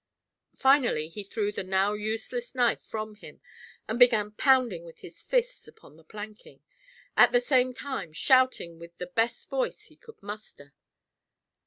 Finally he threw the now useless knife from him and began pounding with his fists upon the planking, at the same time shouting with the best voice he could muster.